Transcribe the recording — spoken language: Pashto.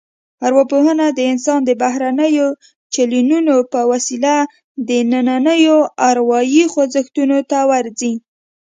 ارواپوهنه د انسان د بهرنیو چلنونو په وسیله دنننیو اروايي خوځښتونو ته ورځي